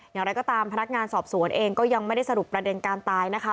อย่างไรก็ตามพนักงานสอบสวนเองก็ยังไม่ได้สรุปประเด็นการตายนะคะ